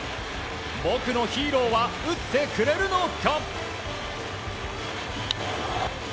僕のヒーローは打ってくれるのか？